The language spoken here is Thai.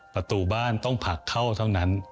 ประตูบ้านต้องผลักเข้าเท่านั้น